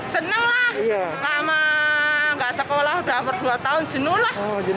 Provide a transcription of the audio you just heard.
senang lah lama nggak sekolah udah hampir dua tahun jenuh lah